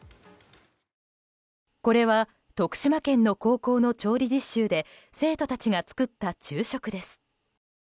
これは徳島県の高校の調理実習で生徒たちが作った昼食です。